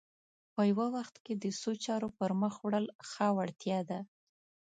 په یوه وخت کې د څو چارو پر مخ وړل ښه وړتیا ده